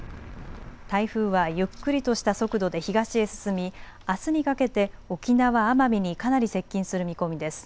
台風はゆっくりとした速度で東へ進み、あすにかけて沖縄・奄美にかなり接近する見込みです。